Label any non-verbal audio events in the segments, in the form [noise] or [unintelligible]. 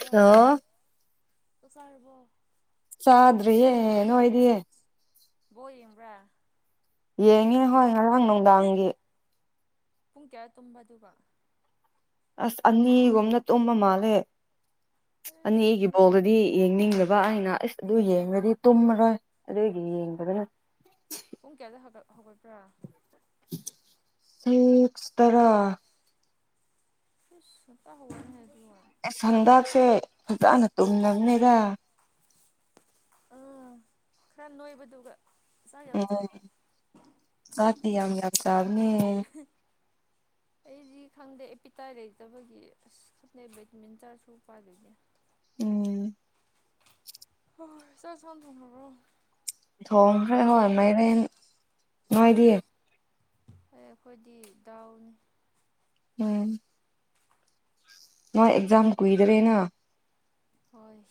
ꯍ ꯆꯔꯔꯕꯣ ꯆꯗ꯭ꯔꯤ ꯅꯣ ꯑꯣꯏꯗꯌꯦ ꯋ꯭ꯔ ꯌꯦꯡꯉꯤ ꯍꯣꯏ ꯉꯔꯥꯡ ꯅꯨꯡꯗꯥꯡꯒꯤ ꯄꯨꯡ ꯀꯌꯥ ꯇꯨꯝꯕ ꯑꯗꯨꯒ ꯑꯁ ꯑꯅꯤꯒꯨꯝꯝꯅ ꯇꯨꯝꯕ ꯃꯥꯜꯂꯦ ꯑꯩꯁ ꯑꯅꯤꯒꯤꯕꯨꯜꯗꯗꯤ ꯊꯦꯡꯉꯦ ꯌꯦꯡꯅꯤꯡꯗꯕ ꯕꯥ ꯑꯩꯅ ꯑꯁ ꯑꯗꯨ ꯌꯦꯡꯉꯗꯤ ꯑꯥ ꯇꯨꯝꯃꯔꯣꯏ ꯑꯗꯨꯏꯒꯤ ꯌꯦꯡꯗꯗꯅ ꯍꯧꯒꯠꯕ꯭ꯔꯥ ꯁꯤꯁꯇꯔꯥ ꯁꯇ ꯍꯅ ꯍꯥꯏ ꯑꯦ ꯍꯟꯗꯥꯛꯁꯦ ꯐꯖꯅ ꯇꯨꯝꯂꯅꯕꯅꯦꯗ ꯎꯝ ꯈꯔ ꯅꯣꯏꯕꯗꯨꯒ ꯆꯥꯛ ꯌꯥꯝ ꯆꯥꯎ ꯎꯝ ꯁꯥꯇꯤ ꯌꯥꯝ ꯌꯥ ꯆꯕꯅꯤ ꯑꯩ ꯍꯥꯏꯗꯤ ꯈꯪꯗꯦ ꯑꯦꯄꯤꯇꯥꯏ ꯂꯩꯇꯕꯒꯤ ꯑꯁ ꯈꯪꯗꯦ ꯕꯦꯠꯃꯤꯟꯇꯟ ꯁ ꯄꯥꯗꯣꯏꯅꯦ ꯎꯝ ꯍ ꯆ ꯆꯥꯟ ꯇ꯭ꯔꯣ ꯊꯣꯡ ꯔ ꯍꯣꯏ ꯃꯥꯏꯦꯟ ꯅꯅꯨꯡꯉꯥꯏꯗꯤ ꯑꯩꯁ ꯑꯩꯈꯣꯏꯗꯤ ꯗꯥꯎꯅꯤ ꯎꯝ ꯅ ꯑꯦꯛꯖꯥꯝ ꯀꯨꯏꯗꯔꯦꯅ ꯍꯣꯏ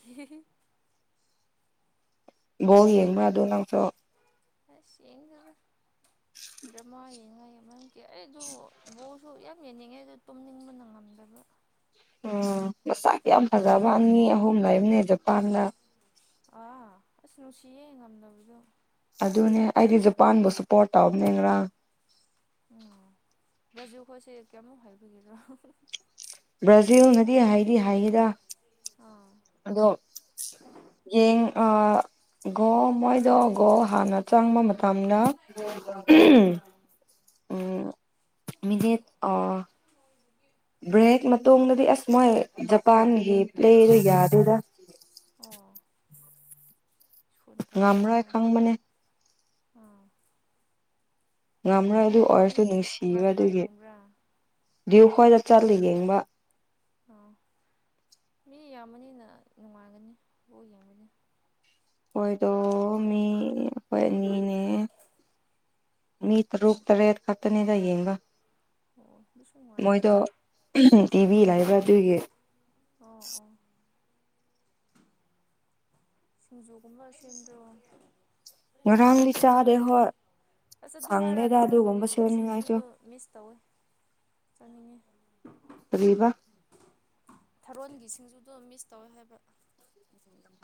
ꯕꯣ ꯌꯦꯡꯕ꯭ꯔꯥ ꯑꯗꯨ ꯅꯪꯁꯨ ꯑ ꯁꯦꯡꯒꯗ ꯗ꯭ꯔꯃꯥ ꯌꯦꯡꯉꯥꯏ ꯃꯔꯝ ꯀ ꯑꯩꯗ ꯕꯣꯔꯁꯨ ꯌꯥꯝ ꯌꯦꯡꯅꯤꯡꯉꯦ ꯑꯗꯨ ꯇꯨꯝꯅꯤꯡꯕꯅ ꯉꯉꯝꯗꯕ ꯑꯗꯨ ꯎꯝ ꯃꯁꯥꯛ ꯌꯥꯝ ꯐꯖꯕꯅꯤ ꯑꯍꯨꯝ ꯂꯩꯝꯅꯦ ꯖꯄꯥꯟꯗ ꯑꯥ ꯑꯁ ꯅꯨꯡꯁꯤꯌꯦꯦ ꯉꯝꯗꯕꯗꯣ ꯑꯗꯨꯅꯦ ꯑꯩꯗꯤ ꯖꯄꯥꯟꯕꯨꯁꯨ ꯄꯣꯔꯠ ꯇꯧꯕꯅꯦꯔ ꯎꯝ ꯕ꯭ꯔꯥꯖꯨꯈꯣꯣꯏꯁꯦ ꯀꯌꯥꯃꯨꯛ ꯍꯥꯏꯕꯒꯤꯔꯣ ꯕ꯭ꯔꯥꯖꯤꯜꯅꯗꯤ ꯍꯥꯏꯗꯤ ꯍꯥꯏꯗ ꯑꯥ ꯑꯗꯣ ꯌꯦꯡ ꯑ ꯃꯣꯏꯗꯣ ꯍꯥꯟ ꯆꯥꯡꯕ ꯃꯇꯝꯅ ꯃꯤꯅꯤꯠ ꯕ꯭ꯔꯦꯛ ꯃꯇꯨꯡꯗꯗꯤ ꯑꯁ ꯃꯣꯏ ꯖꯄꯥꯟꯒꯤ ꯂꯩꯗꯣ ꯌꯥꯗꯦꯗ ꯑꯣ ꯁꯨ ꯉꯝꯔꯣꯏ ꯇꯥꯁꯕꯗꯔ ꯃꯣꯏ ꯈꯪꯕꯅꯦ ꯑꯣꯝ ꯉꯝꯔꯣꯏ ꯑꯗꯨ ꯑꯣꯏꯔꯁꯇꯨ ꯀꯅꯥ ꯅꯨꯡꯁꯤꯕ ꯀꯅꯥ ꯑꯗꯨꯒꯤ ꯌꯦꯡꯕ꯭ꯔꯥ ꯗꯤꯌꯨ ꯈꯣꯏꯗ ꯆꯠꯂꯤ ꯌꯦꯡꯕ ꯑꯣ ꯃꯤ ꯌꯥꯝꯕꯅꯤꯅ ꯅꯨꯡꯉꯥꯏꯒꯅꯤ ꯂ ꯌꯦꯡꯒꯅꯤ ꯑꯩꯈꯣꯏꯗꯣ ꯃꯤ ꯑꯩꯈꯣꯏ ꯑꯅꯤꯅꯦ ꯃꯤꯠꯇꯔꯨ ꯇꯔꯦꯠ ꯈꯇꯅꯦ ꯌꯥꯌꯦꯒ ꯑꯣ ꯑꯗꯨꯁꯨ ꯅꯨꯡꯉꯥꯏꯅ ꯃꯣꯏꯗꯣ ꯇꯤꯚꯤ ꯂꯥꯏꯕꯗꯨꯔꯒꯦ ꯑꯣ ꯑꯣ ꯁꯤꯡꯖꯨꯒꯨꯝꯕ ꯁꯦꯝꯗꯣ ꯉꯔꯥꯡ ꯂꯤ ꯆꯥꯦ ꯍꯣꯏ ꯑꯁ ꯑꯗꯨ ꯍꯥꯏꯔ ꯁꯪꯗꯦꯗ ꯊꯥꯔꯣꯟꯒꯤ ꯑꯗꯨꯒꯨꯝꯕ ꯁꯦꯝꯅꯤꯡꯉꯥꯏꯁꯨ ꯁꯤꯡꯖꯨꯗꯣ ꯃꯤꯁ ꯇꯧꯋꯦ ꯆꯠꯅꯤꯡꯉꯤ ꯄꯔꯤꯕ ꯊꯥꯔꯣꯟꯒꯤ ꯁꯤꯡꯖꯨ ꯑꯗꯨꯝ ꯃꯤꯁ ꯇꯧꯋꯦ ꯍꯥꯏꯕ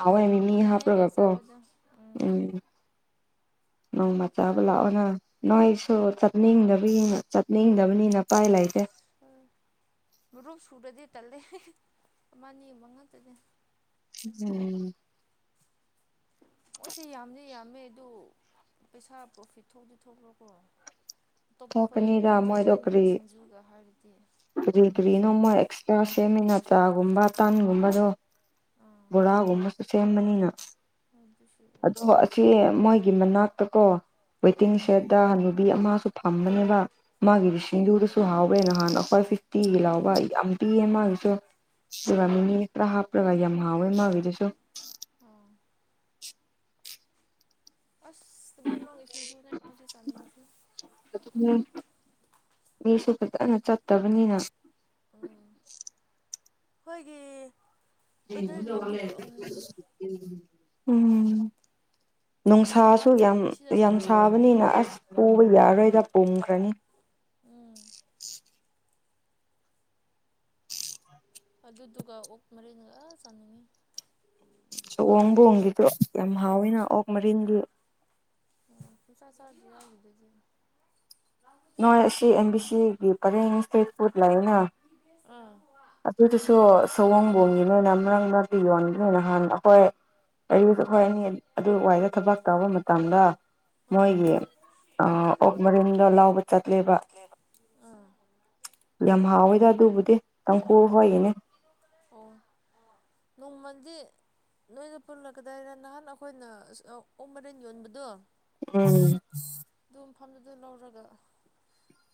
ꯑꯑꯣꯦ ꯃꯤ ꯃꯤ ꯑꯩꯈꯣꯏꯅ ꯍꯦꯛ ꯍꯦꯛ ꯍꯥꯞꯄ꯭ꯔꯒꯀꯣ ꯆꯥꯕꯗꯣ ꯎꯝ [unintelligible] ꯅꯣꯡꯃꯆꯥꯕꯨ ꯂꯥꯛꯑꯣꯅ ꯅꯣꯏꯁꯨ ꯆꯠꯅꯤꯡꯗꯕ ꯆꯠꯅꯤꯡꯗꯕꯅꯤꯅ ꯎꯄꯥꯏ ꯂꯩꯇꯦ ꯑ ꯔ ꯁꯨꯔꯗꯤ ꯇꯜꯂꯦ ꯑꯃꯅꯤ ꯑꯅꯤ ꯑꯃ ꯉꯥꯛꯇꯗꯤ ꯎꯝ ꯃꯣꯏꯁꯦ ꯌꯥꯝꯅꯤ ꯌꯥꯝꯃꯦ ꯑꯗꯨ ꯄꯩꯁꯥ ꯄ꯭ꯔꯣꯐꯤꯠ ꯊꯣꯛꯧꯗꯤ ꯊꯣꯛꯈ꯭ꯔꯣꯀꯣ ꯑꯇꯣꯞꯄ ꯑꯩꯈꯣꯏ ꯊꯣꯛꯀꯅꯤꯗ ꯃꯣꯏꯗꯣ ꯊꯥꯡꯃꯩꯕꯟꯒꯤ ꯁꯤꯡꯖꯨꯒ ꯍꯥꯏꯔꯗꯤ ꯀꯔꯤ ꯀꯔꯤ ꯅꯣꯡꯃ ꯑꯦꯛꯁꯇ꯭ꯔꯥ ꯁꯦꯝꯃꯤꯅ ꯆꯥꯒꯨꯝꯕ ꯇꯥꯟꯒꯨꯝꯕꯗꯣ ꯑꯥ ꯔꯥꯒꯨꯝꯃꯁ ꯁꯦꯝꯕꯅꯤꯅ ꯑꯗꯨꯁꯨ ꯑꯗꯣ ꯑꯣꯏ ꯑꯁꯤ ꯃꯣꯏꯒꯤ ꯃꯅꯥꯛꯇ ꯀꯣ ꯋꯦꯇꯤꯡ ꯑꯥ ꯁꯦꯠꯇ ꯍ ꯅꯨꯨꯕꯤ ꯑꯃꯁꯨ ꯐꯝꯕꯅꯦꯕ ꯃꯥꯒꯤ ꯑꯥ ꯁꯤꯨꯔꯁꯨ ꯍꯥꯎꯦ ꯅꯍꯥꯟ ꯑꯋꯥꯏ ꯐꯤꯤꯂꯥꯎꯕꯕꯥꯏ ꯌꯥꯝ ꯄꯤꯑ ꯑꯣ ꯃꯥꯒꯤꯁꯨ ꯑꯗꯨꯒ ꯑꯥ ꯃꯤꯅꯤ ꯍ ꯈꯔ ꯍꯥꯞꯄꯒ ꯌꯥꯝ ꯍꯥꯎꯋꯦ ꯏ ꯃꯥꯥꯒꯤꯗꯨꯁꯨ ꯑꯣ ꯑꯁꯃꯤ ꯂꯣꯡꯒꯤꯦꯁꯤꯡꯖ ꯍꯧ ꯆꯂ ꯃꯤꯁꯨ ꯐꯖꯅ ꯆꯠꯇꯕꯅꯤꯅ ꯎꯝ ꯑꯩꯈꯣꯏꯒꯤ ꯕ꯭ꯔꯗꯔ ꯏꯟ ꯂꯣꯗꯨ ꯄꯨꯔꯛꯑꯣ ꯎꯝ ꯅꯨꯡꯁꯥꯁꯨ ꯃꯥꯗꯤ ꯌꯥꯝ ꯁꯤꯗ ꯌꯥꯝ ꯁꯨꯡꯂꯥꯛ ꯂꯥꯛꯇ꯭ꯔꯤꯀꯣ ꯁꯥꯕꯅꯤꯅ ꯑꯁ ꯄꯨꯕ ꯌꯥꯔꯣꯏꯗ ꯄꯨꯝꯈ꯭ꯔꯅꯤ [inaudible] ꯑꯗꯨꯗꯨꯒ ꯑꯣꯛ ꯃꯔꯤꯒ ꯆꯥꯅꯤꯡꯉꯤ ꯁꯑꯣꯝꯕꯣꯡꯒꯤꯗꯣ ꯌꯥꯝ ꯍꯥꯎꯋꯦꯅ ꯑꯣꯛ ꯃꯔꯤꯟꯒꯤ ꯎ ꯄꯩꯁꯥ ꯆꯥꯗꯖ ꯅꯣꯏ ꯑꯁꯤ ꯑꯦꯝ ꯕꯤ ꯁꯤꯒꯤ ꯄꯔꯦꯡ ꯏꯁꯇ꯭ꯔꯤꯠ ꯐꯨꯗ ꯂꯩꯥꯛꯅ ꯑꯥ ꯑꯗꯨꯗꯨꯁꯨ ꯁꯑꯣꯡꯕꯣꯡꯉꯅꯦ ꯅ ꯃꯪꯗꯗꯤ ꯌꯣꯟꯅꯤꯅ ꯅꯍꯥꯟ ꯑꯩꯈꯣꯏ ꯑꯌꯨꯁꯨ ꯑꯣ ꯑꯩꯈꯣꯏ ꯑꯅꯤ ꯑꯗꯨ ꯋꯥꯏꯗ ꯊꯕꯛ ꯇꯧꯕ ꯃꯇꯝꯗ ꯑꯥ ꯃꯣꯏꯒꯤ ꯑꯣꯛ ꯃꯔꯤꯟꯗ ꯂꯥꯎꯕ ꯎꯝ ꯌꯥꯝ ꯍꯥꯎꯋꯦꯗ ꯑꯗꯨꯕꯨꯗꯤ ꯇꯥꯡꯈꯨ ꯑꯥ ꯍꯣꯏꯒꯤꯅꯦ ꯑꯗꯨꯗꯤ ꯅꯣꯏꯗ ꯄꯨꯜꯂꯛꯀꯗꯥꯏꯔ ꯅꯍꯥꯟ ꯑꯩꯈꯣꯏꯅ ꯑꯣꯛ ꯃꯔꯦꯟ ꯌꯣꯟꯕꯗꯣ ꯎꯝ ꯑꯗꯨ ꯃꯐꯝꯗꯨꯗ ꯂꯧꯔꯒ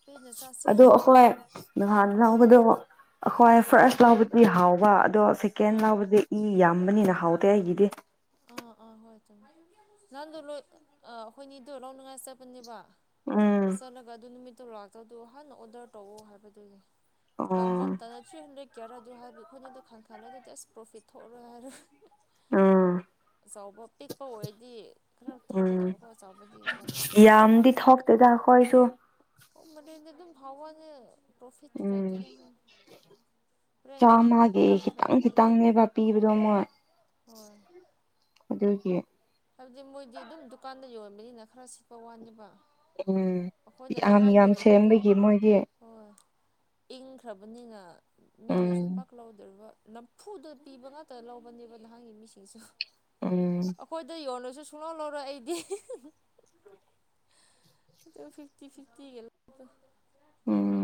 ꯄꯦꯟꯅ ꯆꯥꯁꯤ ꯑꯗꯣ ꯑꯩꯈꯣꯏ ꯅꯍꯥꯟ ꯂꯥꯎꯕꯗꯣ ꯑꯩꯈꯣꯏ ꯐꯥꯔꯁ ꯂꯥꯎꯕꯗꯤ ꯍꯥꯎꯕ ꯑꯗꯣ ꯁꯦꯀꯦꯟ ꯑꯥ ꯂꯥꯎꯕꯗꯤ ꯏ ꯌꯥꯝꯕꯅꯤꯅ ꯍꯥꯎꯗꯦ ꯑꯩꯒꯤꯗꯤ ꯑꯥ ꯑꯥ ꯍꯣꯏ ꯆꯝꯃꯦ ꯅꯪꯗꯣ ꯂꯣꯏ ꯑꯩꯈꯣꯏꯅꯤꯗꯣ ꯂꯧꯅꯉꯥꯏ ꯆꯠꯄꯅꯦꯕ ꯎꯝ ꯆꯠꯂꯒ ꯑꯗꯨ ꯅꯨꯃꯤꯠꯇꯨ ꯂꯥꯛꯇꯧꯗꯣ ꯍꯥꯟꯅ ꯑꯣꯔꯗꯔ ꯇꯧꯑꯣ ꯍꯥꯏꯕꯗꯨꯅꯦ ꯑꯣ ꯍꯪꯕꯝꯇꯅ ꯍꯟꯂꯦꯛ ꯀꯦꯌꯥꯔꯥꯗꯨ ꯍꯥꯏꯕ ꯑꯩꯈꯣꯏꯅꯗꯣ ꯈꯪ ꯈꯜꯂꯗ ꯖꯁ ꯄ꯭ꯔꯣꯐꯤꯠ ꯊꯣꯛꯔꯣꯏ ꯍꯥꯏꯔꯣꯏ ꯎꯝ ꯑꯆꯕ ꯄꯤꯛꯄ ꯑꯣꯏꯔꯗꯤ ꯈꯔ ꯎꯝ ꯊꯣꯛꯀꯗꯕꯀꯣ ꯆꯥꯎꯆꯕꯗꯤ ꯎꯄ ꯂꯩꯗꯅꯤ ꯑꯗꯨꯗ ꯀꯣꯏꯁꯨ ꯑꯣ ꯃꯅꯤꯗꯤ ꯑꯗꯨꯝ ꯍꯥꯎꯅꯦ ꯄ꯭ꯔꯣꯐꯤ ꯎꯝ ꯂꯩꯇ ꯆꯥꯝꯃꯒꯤ ꯈꯤꯇꯪ ꯈꯤꯇꯪꯅꯦꯕ ꯄꯤꯕꯗꯣ ꯃꯣꯏ ꯍꯣꯏ ꯑꯗꯨ ꯑꯣꯏꯒꯤ ꯍꯥꯏꯕꯗꯤ ꯃꯣꯏꯗꯤ ꯑꯗꯨꯝ ꯗꯨꯀꯥꯟꯗ ꯌꯣꯟꯕꯅꯤꯅ ꯈꯔ ꯁꯤꯠꯄ ꯋꯥꯅꯦꯕ ꯎꯝ ꯑꯩꯈꯣꯏꯅ ꯌꯥꯝ ꯅꯍꯥꯟ ꯌꯥꯝ ꯌꯣꯟꯕꯗꯨ ꯁꯦꯝꯕꯒꯤ ꯃꯣꯏꯒꯤ ꯍꯣꯏ ꯏꯪꯈ꯭ꯔꯕꯅꯤꯅ ꯎꯝ ꯃꯤꯅꯁꯨ ꯄꯥꯛꯂꯗꯧꯔꯤꯕ ꯅꯝꯐꯨꯗ ꯄꯤꯕ ꯉꯥꯛꯇ ꯂꯧꯕꯅꯦꯕ ꯅꯍꯥꯟꯒꯤ ꯃꯤꯁꯤꯡꯁꯨ ꯎꯝ ꯑꯩꯈꯣꯏꯗ ꯌꯣꯜꯂꯁꯨ ꯁꯨꯡꯅꯣ ꯂꯧꯔꯣꯏ ꯑꯩꯗꯤ ꯐꯤꯐꯇꯤ ꯐꯤꯐꯇꯤ ꯎꯝ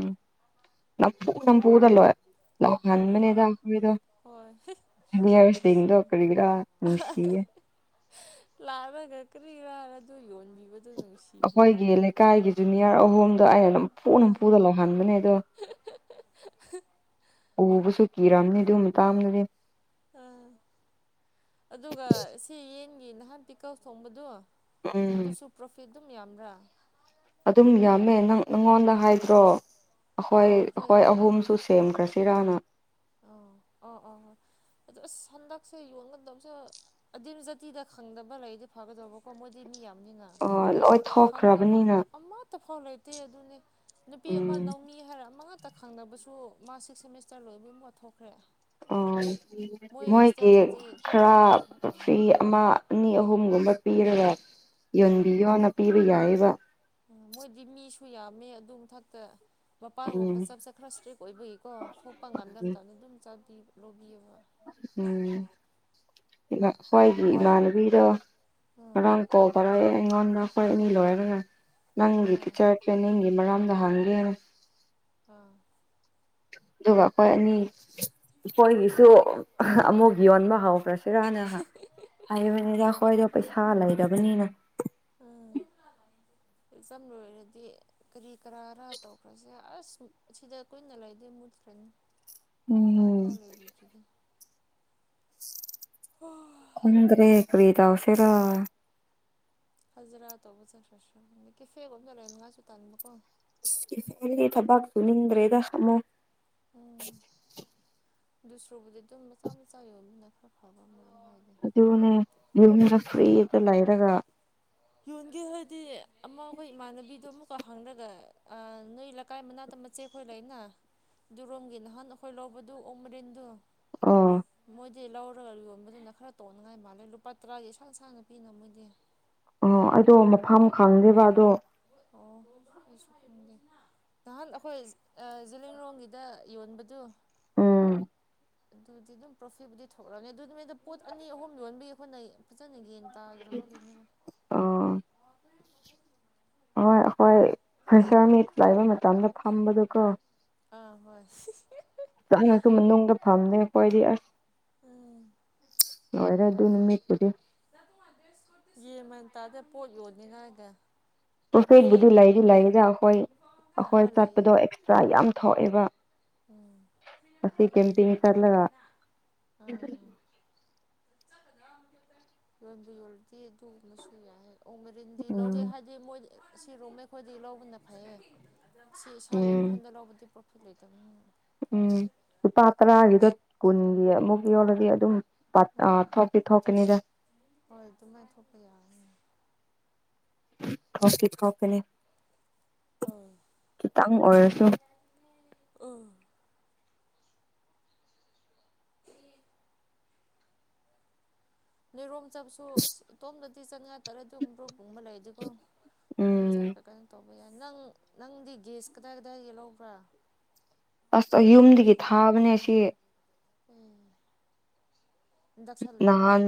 ꯅꯄ ꯅꯝꯐꯨ ꯄꯨꯗꯂꯣ ꯑꯥ ꯍꯟꯃꯅꯤꯗꯈꯗꯣ ꯍꯣꯏ ꯅꯤꯌꯥꯕꯁꯤꯣ ꯅꯨꯡꯁꯤꯌꯦ ꯀꯒꯔꯥ ꯁꯤ ꯂꯥꯕꯒ ꯀ꯭ꯔꯤ ꯋꯥ ꯑꯗꯨ ꯌꯣꯟ ꯑꯩꯈꯣꯏꯒꯤ ꯂꯩꯀꯥꯏꯒꯤ ꯖꯨꯅꯤꯌꯥꯔ ꯑꯍꯨꯝꯗ ꯑꯩꯅ ꯄꯨꯨꯅ ꯑꯥ ꯄꯨꯨꯗ ꯂꯍꯟꯕꯅꯦ ꯑꯗꯣ ꯎꯕꯨꯁꯨ ꯀꯤꯔꯝꯅꯤ ꯑꯗꯨ ꯃ ꯇ ꯑꯃꯅꯤ ꯑꯥ ꯑꯗꯨꯒ ꯁꯤ ꯌꯦꯟꯒꯤ ꯅꯍꯥꯟ ꯄꯤꯀꯞ ꯊꯣꯡꯕꯗꯣ ꯎꯝ ꯑꯗꯨꯁꯨ ꯄ꯭ꯔꯣꯐꯤꯠ ꯑꯗꯨꯝ ꯌꯥꯝꯕ꯭ꯔꯥ ꯑꯗꯨꯝ ꯌꯥꯝꯃꯦ ꯅꯪ ꯅꯪꯉꯣꯟꯗ ꯍꯥꯏꯗ꯭ꯔꯣ ꯑꯩꯈꯣꯏ ꯀꯥꯎꯈ꯭ꯔꯦ ꯑꯩꯈꯣꯏ ꯑꯍꯨꯝꯁꯨ ꯁꯦꯝꯈ꯭ꯔꯁꯦ ꯏꯔꯥꯅ ꯑꯣ ꯑꯣ ꯑꯣ ꯑꯗꯣ ꯑꯁ ꯍꯟꯗꯛꯁꯦ ꯌꯣꯟꯒꯗꯕꯁꯨ ꯑꯗꯤꯝ ꯖꯥꯇꯤꯗ ꯈꯪꯗꯕ ꯂꯩꯗꯤ ꯐꯒꯗꯧꯕꯀꯣ ꯃꯣꯏꯗꯤ ꯃꯤ ꯌꯥꯝ ꯑꯣ ꯂꯣꯏ ꯊꯣꯛꯈ꯭ꯔꯕꯅꯤꯅ ꯑꯃꯠꯇ ꯐꯥꯎ ꯂꯩꯇꯦ ꯑꯗꯨꯅꯤ ꯅꯨꯄꯤ ꯑꯃ ꯎꯝ ꯅꯧꯃꯤ ꯍꯥꯏꯔ ꯃꯉꯛ ꯇ ꯈꯪꯅꯕꯁꯨ ꯃꯥ ꯁꯤꯛꯁ ꯁꯦꯃꯤꯁꯇꯔ ꯂꯣꯏꯕ ꯃꯊꯣꯛꯈ꯭ꯔꯦ ꯃꯣꯏꯒꯤ ꯈꯔ ꯀꯩꯅꯣ ꯐꯔ꯭ꯤ ꯇꯧꯅꯤ ꯑꯃ ꯑꯅꯤ ꯑꯍꯨꯝꯒꯨꯝ ꯃ ꯄꯤꯔꯒ ꯌꯣꯟꯕꯤꯌꯣꯅ ꯄꯤꯕ ꯌꯥꯏꯌꯦꯕ ꯎꯝ ꯃꯣꯏꯗꯤ ꯃꯤꯁꯨ ꯌꯥꯝꯃꯦ ꯑꯗꯨ ꯃꯊꯛꯇ ꯃꯄꯥꯟꯒꯨꯝꯕ ꯎꯝ ꯆꯞ ꯆꯥ ꯈꯔ ꯁꯇ꯭ꯔꯤꯛ ꯑꯣꯏꯕꯒꯤꯀꯣ ꯊꯣꯛꯄ ꯉꯝꯗꯕ ꯃꯇꯝꯗ ꯑꯗꯨꯝ ꯆꯥꯕꯤ ꯂꯧꯕꯤꯑꯕ ꯎꯝ ꯏꯅ ꯑꯩꯈꯣꯏꯒꯤ ꯏꯃꯥꯟꯅꯕꯤꯗꯣ ꯎꯝ ꯉꯔꯥꯡ ꯀꯣꯕꯔꯥꯑꯦ ꯑꯩꯉꯣꯟꯗ ꯑꯩꯈꯣꯏ ꯑꯅꯤ ꯂꯣꯏꯔꯅ ꯅꯪꯒꯤ ꯑꯥ ꯇꯤꯆꯔ ꯇ꯭ꯔꯦꯅꯤꯡꯒꯤ ꯃꯔꯝꯗ ꯍꯪꯒꯦꯅ ꯑꯥ ꯑꯗꯨꯒ ꯈꯣꯏ ꯑꯅꯤ ꯑꯩꯈꯣꯏꯒꯤꯁꯨ ꯑꯍ ꯑꯃꯨꯛ ꯌꯣꯟꯕ ꯍꯧꯈ꯭ꯔꯁꯤꯔꯅ ꯍꯥꯏꯕꯅꯤꯗ ꯑꯩꯈꯣꯏꯗꯣ ꯄꯩꯁꯥ ꯂꯩꯗꯕꯅꯤꯅ ꯎꯝ ꯑꯦꯖꯥꯝ ꯂꯣꯏꯔꯗꯤ ꯀꯔꯤ ꯀꯔꯥꯔ ꯇꯧꯈ꯭ꯔꯁꯦ ꯑꯁ ꯁꯤꯗ ꯀꯨꯏꯅ ꯂꯩꯗꯤ ꯃꯨꯠꯈ ꯈꯤꯇꯪ ꯎꯝ ꯐꯥꯎ ꯂꯩꯕꯤꯗ꯭ꯔꯤꯗꯤ ꯈꯪꯗ꯭ꯔꯦ ꯀꯔꯤ ꯇꯧꯁꯤꯔꯣ ꯍꯖꯤꯔꯥ ꯇꯧꯕ ꯆꯠꯈ꯭ꯔꯁꯤꯔ ꯈꯪꯗꯦ ꯀꯦꯐꯦꯒꯨꯝꯕꯗ ꯂꯩꯅꯤꯡꯉꯁꯨ ꯇꯟꯕ ꯀꯣ ꯏꯁ ꯀꯦꯐꯦꯗꯗꯤ ꯊꯕꯛ ꯄꯨꯅꯤꯡꯗ꯭ꯔꯦꯗ ꯑꯃꯨꯛ ꯗꯨꯁ꯭ꯔꯨꯕꯨꯗꯤ ꯑꯗꯨꯝ ꯃꯆꯥ ꯃꯆꯥ ꯌꯣꯟꯕꯅꯤꯅ ꯈꯔ ꯐꯕ ꯑꯃ ꯍꯥꯏꯗꯤ ꯑꯗꯨꯅꯦ ꯌꯨꯝꯗ ꯐ꯭ꯔꯤꯗ ꯂꯩꯔꯒ ꯌꯣꯟꯒꯦ ꯍꯥꯏꯗꯤ ꯑꯃ ꯑꯩꯈꯣꯏ ꯏꯃꯥꯟꯅꯕꯤꯗꯣ ꯑꯃꯨꯛꯀ ꯍꯪꯔꯒ ꯑ ꯅꯣꯏ ꯂꯩꯀꯥꯏ ꯃꯅꯥꯛꯇ ꯃꯆꯦ ꯈꯣꯏ ꯂꯩꯅꯥ ꯗꯨꯔꯣꯝꯒꯤ ꯅꯍꯥꯟ ꯑꯩꯈꯣꯏ ꯂꯧꯕꯗꯨ ꯑꯣꯛ ꯃꯔꯤꯟꯗꯨ ꯑꯣ ꯃꯣꯏ ꯗꯤ ꯂꯧꯔꯒ ꯌꯣꯟꯕꯗꯨꯅ ꯈꯔ ꯇꯣꯡꯅꯉꯥꯏ ꯃꯥꯜꯂꯦ ꯂꯨꯄꯥ ꯇꯔꯥꯒꯤ ꯏꯁꯥꯡ ꯁꯥꯡꯅ ꯄꯤꯅ ꯃꯣꯏꯗꯤ ꯑꯣ ꯑꯩꯗꯣ ꯃꯐꯝ ꯈꯪꯗꯦꯕ ꯑꯗꯣ ꯑꯣ ꯑꯩꯁꯨ ꯈꯪꯗꯦ ꯅꯍꯥꯟ ꯑꯩꯈꯣꯏ ꯑ ꯖꯤꯂꯤꯡꯔꯣꯡꯒꯤꯗ ꯌꯣꯟꯕꯗꯨ ꯎꯝ ꯑꯗꯨꯗꯤ ꯑꯗꯨꯝ ꯄ꯭ꯔꯣꯐꯤꯠꯕꯨꯗꯤ ꯊꯣꯛꯂꯅꯤ ꯑꯗꯨꯃꯤꯗꯨ ꯄꯣꯠ ꯑꯅꯤ ꯑꯍꯨꯝ ꯌꯣꯟꯕꯩ ꯍꯣꯠꯅꯩ ꯐꯖꯅ ꯌꯦꯟ ꯇꯥꯗ꯭ꯔꯕ ꯀꯩꯅꯣꯅꯦ ꯑꯣ ꯍꯣꯏ ꯑꯩꯈꯣꯏ ꯐ꯭ꯔꯦꯁꯔ ꯃꯤꯠ ꯂꯩꯕ ꯃꯇꯝꯗ ꯐꯝꯕꯗꯨ ꯀꯣ ꯑꯥ ꯍꯣꯏ ꯆꯪꯉꯁꯨꯝ [unintelligible] ꯅꯨꯡꯗ ꯐꯝꯅꯦ ꯑꯩꯀꯣꯏꯗꯤ ꯑꯁ ꯎꯝ ꯂꯣꯏꯔꯦ ꯑꯗꯨ ꯅꯨꯃꯤꯠꯇꯨꯗꯤ ꯌꯦ ꯃꯥꯟ ꯇꯥꯗꯦ ꯄꯣꯠ ꯌꯣꯟꯅꯤ ꯍꯥꯏꯗꯦ ꯄ꯭ꯔꯣꯐꯦꯠꯕꯨꯨꯗꯤ ꯂꯩꯗꯤ ꯂꯩꯔꯤꯗ ꯑꯩꯈꯣꯏ ꯑꯩꯈꯣꯏ ꯍꯣꯏ ꯂꯩꯌꯦ ꯆꯠꯄꯗꯣ ꯑꯦꯛꯁꯇ꯭ꯔꯥ ꯌꯥꯝ ꯊꯣꯛꯑꯦꯕ ꯎꯝ ꯑꯁꯤ ꯀꯦꯟꯇꯤꯟ ꯆꯠꯂꯒ ꯑꯥ ꯑꯥ ꯌꯣꯟꯕꯨ ꯌꯣꯟꯂꯗꯤ ꯑꯗꯨꯒꯨꯝꯕꯁꯨ ꯌꯥꯏ ꯑꯣꯛ ꯃꯔꯤꯟꯗꯤ ꯂꯧꯒꯦ ꯎꯝ ꯍꯥꯏꯗꯤ ꯃꯣꯏ ꯁꯤꯔꯨꯝꯃꯦ ꯈꯣꯏꯗꯤ ꯂꯧꯕꯅ ꯐꯩꯌꯦ ꯁꯤ ꯏꯁꯥꯒꯤ ꯎꯝ ꯌꯣꯟꯐꯝꯗ ꯂꯧꯕꯗꯤ ꯄ꯭ꯔꯣꯐꯤꯠ ꯂꯩꯇꯦ ꯎꯝ ꯂꯨꯄꯥ ꯇꯔꯥꯒꯤꯗꯣ ꯀꯨꯟꯒꯤ ꯑꯃꯨꯛ ꯌꯣꯜꯂꯗꯤ ꯑꯗꯨꯝ ꯄꯥ ꯑ ꯎꯝ ꯊꯣꯛꯇꯤ ꯊꯣꯛꯀꯅꯤꯗ ꯍꯣꯏ ꯑꯗꯨꯃꯥꯏꯅ ꯊꯣꯛꯄ ꯌꯥꯏ ꯄ꯭ꯔꯣꯐꯤꯠ [unintelligible] ꯊꯣꯛꯀꯅꯤ ꯎꯝ ꯈꯤꯇꯪ ꯑꯣꯏꯔꯁꯨ ꯎꯝ ꯅꯣꯏꯔꯣꯝ ꯆꯞꯁꯨ ꯑꯁ ꯏꯇꯣꯝꯗꯗꯤ ꯆꯪꯉꯦ ꯇꯔꯦ ꯑꯗꯨ ꯄꯨꯡꯕ ꯂꯩ ꯑꯗꯨꯀꯣ ꯑꯗꯨꯨꯝ ꯎꯝ ꯆꯔꯛꯒ ꯀꯩꯅꯣ ꯇꯧ ꯍ ꯌꯥꯏ ꯅꯪ ꯅꯪꯗꯤ ꯒꯦꯁ ꯀꯗꯥꯏ ꯀꯗꯥꯏ ꯌꯦꯍꯧꯕ꯭ꯔꯥ ꯑꯁ ꯌꯨꯝꯗꯒꯤ ꯊꯥꯕꯅꯦ ꯁꯤ ꯗꯁꯥ ꯂꯩꯕ꯭ꯔꯥ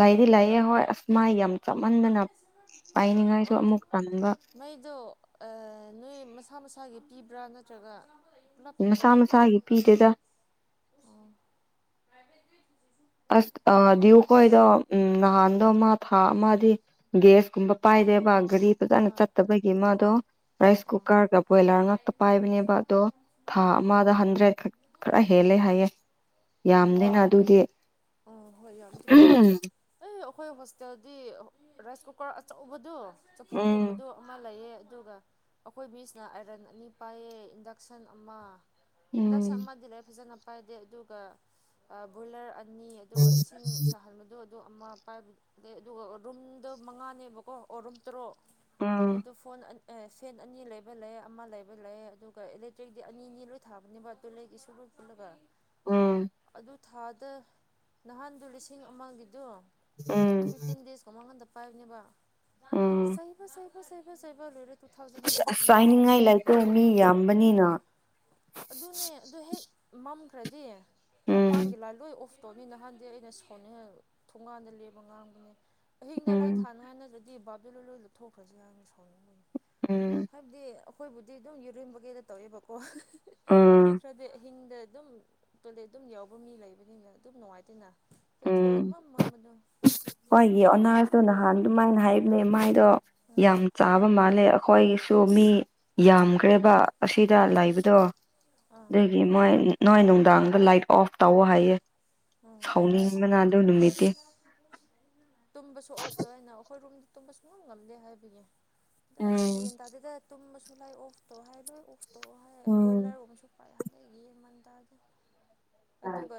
ꯂꯥꯏꯗꯤ ꯂꯥꯏꯌꯦꯑꯦ ꯍ ꯃꯥꯏ ꯌꯥꯝ ꯆꯞꯃꯟꯗꯅ ꯄꯥꯏꯅꯤꯡꯉꯥꯏꯁꯨ ꯑꯣ ꯑꯃꯨꯛ ꯆꯟꯕ ꯃꯩꯗꯣ ꯅꯣꯏ ꯃꯁꯥ ꯃꯁꯥꯒꯤ ꯄꯤꯕ꯭ꯔꯥ ꯅꯠꯇ꯭ꯔꯒ ꯄꯨꯂꯞ ꯃꯁꯥ ꯄꯤꯕ꯭ꯔꯥ ꯃꯁꯥꯒꯤ ꯄꯤꯗꯦꯗ ꯑꯣ ꯑꯁ ꯑ ꯗꯤꯎꯀꯣꯣꯏꯗꯣ ꯎ ꯅꯍꯥꯟꯗꯣ ꯑꯃ ꯊꯥ ꯑꯃꯗꯤ ꯒꯦꯁꯀꯨꯝꯕ ꯄꯥꯏꯗꯦꯕ ꯒꯥꯔꯤ ꯐꯖꯅ ꯑꯥ ꯆꯠꯇꯕꯒꯤ ꯃꯥꯗꯣ ꯑꯣ ꯔꯥꯏꯁ ꯑꯣ ꯑꯥ ꯀꯨꯀꯔꯒ ꯕ꯭ꯔꯣꯏꯂꯔ ꯉꯥꯛꯇ ꯄꯥꯏꯕꯅꯦꯕ ꯑꯗꯣ ꯊꯥ ꯑꯃꯗ ꯍꯟꯗ꯭ꯔꯦꯠ ꯈꯛ ꯈꯔ ꯍꯦꯜꯂꯦ ꯍꯥꯏꯌꯦꯦ ꯌꯥꯝꯗꯦꯅ ꯑꯗꯨꯗꯤ ꯑꯣ ꯍ ꯌꯥꯝꯗ ꯎꯝ ꯑꯩ ꯑꯩꯈꯣꯏ ꯍꯣꯁꯇꯦꯜꯗꯤ ꯔꯥꯏꯁ ꯀꯨꯀꯔ ꯑꯆꯧꯕꯗꯣ ꯎꯝ ꯆꯐꯨꯒꯨꯝꯕꯗꯣ ꯑꯃ ꯂꯩꯑꯌꯦ ꯑꯗꯨꯒ ꯑꯩꯈꯣꯏ ꯕꯤꯁꯤꯅ ꯑꯥꯏꯔꯟ ꯑꯅꯤ ꯄꯥꯏꯌꯦ ꯏꯟꯗꯛꯁꯟ ꯑꯃ ꯏꯟꯗꯛꯁꯟ ꯎꯝ ꯑꯃꯗꯤ ꯂꯩꯥꯏꯔꯤ ꯐꯖꯅ ꯄꯥꯏꯗꯦ ꯑꯗꯨꯒ ꯕꯣꯏꯂꯔ ꯅꯤ ꯑꯗꯨꯒ ꯏꯁꯤꯡ ꯁꯥꯍꯟꯕꯗꯣ ꯑꯗꯨꯣ ꯑꯃ ꯄꯥꯏꯕ ꯂꯩ ꯑꯗꯨꯒ ꯔꯨꯝꯗ ꯃꯉꯥꯅꯦꯕꯀꯣ ꯑꯣ ꯔꯨꯝ ꯇꯔꯨꯛ ꯑꯗꯨꯗꯣ ꯐꯣꯟ ꯑꯦ ꯐꯦꯟ ꯑꯅꯤ ꯂꯩꯕ ꯂꯩ ꯑꯃ ꯂꯩꯕ ꯂꯩ ꯑꯗꯨꯒ ꯏꯂꯦꯛꯇ꯭ꯔꯤꯛꯇꯤ ꯑꯅꯤꯅꯤ ꯂꯣꯏ ꯊꯥꯕꯅꯦꯕ ꯇꯨꯂꯒꯤꯁꯨ ꯂꯣꯏ ꯄꯨꯂꯒ ꯎꯝ ꯍ ꯎꯝ ꯥꯏꯕꯅꯦꯕ ꯁꯕ ꯁꯩꯕ ꯁꯩꯕ ꯁꯩꯕ ꯂꯣꯏꯔ ꯐꯥꯏꯅꯤ ꯏꯂꯥꯏ ꯑꯗꯨꯒꯤ ꯑꯗꯨꯅꯦ ꯑꯗꯨ ꯍꯦꯛ ꯃꯝꯈ꯭ꯔꯗꯤ ꯃꯄꯥꯟꯒꯤ ꯎꯝ ꯂꯥꯜꯂꯣꯏꯐ ꯇꯣꯕꯤ ꯅꯍꯥꯟꯗꯤ ꯑꯩꯅ ꯁꯥꯎꯅꯤꯡꯉ ꯊꯣꯡꯒꯥꯟꯗ ꯂꯦꯕ ꯉꯥꯡꯕꯅꯦ ꯑꯍꯤꯡꯗ ꯂꯥꯏ ꯎꯝ ꯊꯥꯅꯣ ꯍꯥꯏꯅꯒꯗꯤ ꯕꯥꯕꯤꯦ ꯂꯣꯂꯣꯏ ꯂꯨꯞꯊꯣꯛꯈ꯭ꯔꯁꯤꯦ ꯍꯥꯏꯅ ꯁꯥꯎꯅꯤꯡꯕꯅꯤ ꯎꯝ ꯍꯥꯏꯕꯗꯤ ꯑꯩꯈꯣꯏꯕꯨꯗꯤ ꯑꯗꯨꯝ ꯌꯨꯔꯤꯟꯕ ꯀꯩꯗ ꯇꯧꯋꯦꯕꯀꯣ ꯃꯤ ꯎꯝ ꯈꯔꯗꯤ ꯑꯍꯤꯡꯗ ꯑꯗꯨꯝ ꯇꯣꯏꯂꯦꯠ ꯑꯗꯨꯝ ꯌꯥꯎꯕ ꯃꯤ ꯂꯩꯕꯅꯤꯅ ꯑꯗꯨꯝ ꯅꯨꯡꯉꯥꯏꯇꯦꯅ ꯍꯦꯛ ꯎꯝ ꯊꯣꯔꯛꯏ ꯃꯝ ꯃꯝꯕꯗꯣ ꯍꯣꯏꯒꯤ ꯑꯅꯥꯇꯣ ꯅꯍꯥꯟ ꯑꯗꯨꯃꯥꯏꯅ ꯍꯥꯏ ꯅꯦ ꯃꯥꯏꯗꯣ ꯌꯥꯝ ꯎꯝ ꯆꯥꯕ ꯃꯥꯜꯂꯦ ꯑꯩꯈꯣꯏꯒꯤꯁꯨ ꯃꯤ ꯌꯥꯝꯈ꯭ꯔꯦꯕ ꯑꯁꯤꯗ ꯑꯥ ꯂꯩꯕꯗꯣ ꯑꯥ ꯑꯗꯒꯤ ꯃꯣꯏ ꯅꯣꯏ ꯅꯨꯡꯗꯥꯡꯒ ꯂꯥꯏꯠ ꯑꯣꯐ ꯇꯧꯋ ꯍꯥꯏꯌꯦꯦ ꯑꯥ ꯍꯧꯥꯎꯅꯤꯡ ꯃꯅꯥꯗꯣ ꯅꯨꯃꯤꯠꯇꯤ ꯇꯨꯝꯕꯁꯨꯨꯡ ꯉꯝ ꯉꯝꯗꯦ ꯍꯥꯏꯕꯌꯦ ꯑꯗ ꯎꯝ ꯑꯁ ꯌꯦꯟ ꯇꯥꯗꯦꯗ ꯇꯨꯝꯃꯁꯨ ꯂꯥꯏ ꯑꯣꯐ ꯇꯧ ꯍꯥꯏ ꯂꯣꯏ ꯎꯝ ꯕꯣꯏꯂꯔꯒꯨꯝꯁꯨ ꯄꯍ ꯌꯦꯃꯟꯦ ꯑꯗꯨꯒ